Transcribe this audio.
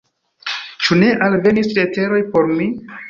Ĉu ne alvenis leteroj por mi?